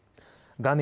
画面